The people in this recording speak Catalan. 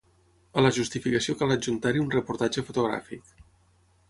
a la justificació cal adjuntar-hi un reportatge fotogràfic